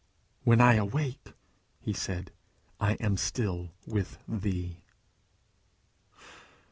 "When I awake," he said, "I am still with thee."